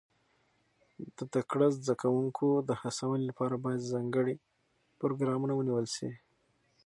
د تکړه زده کوونکو د هڅونې لپاره باید ځانګړي پروګرامونه ونیول شي.